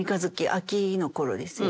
秋の頃ですよね